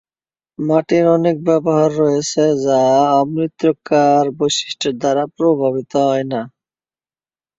মাটির অনেক ব্যবহার রয়েছে যা অন্তর্মৃত্তিকার বৈশিষ্ট্যের দ্বারা প্রভাবিত হয় না।